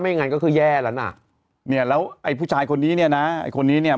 งั้นก็คือแย่แล้วน่ะเนี่ยแล้วไอ้ผู้ชายคนนี้เนี่ยนะไอ้คนนี้เนี่ย